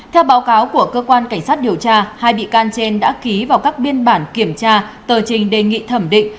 theo báo cáo của cơ quan cảnh sát điều tra hai bị can trên đã ký vào các biên bản kiểm tra tờ trình đề nghị thẩm định